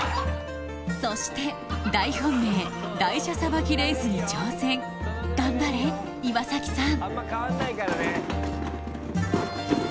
そして大本命「台車さばきレース」に挑戦頑張れ岩崎さん！